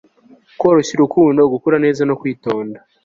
koroshya urukundo, gukura neza no kwitonda